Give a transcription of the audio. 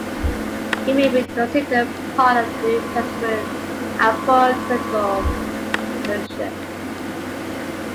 It may be considered part of the New Testament apocryphal tradition.